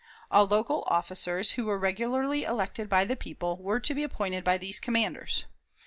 All local officers, who were regularly elected by the people, were to be appointed by these commanders.